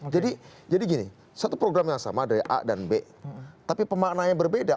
jadi gini satu program yang sama ada a dan b tapi pemaknaannya berbeda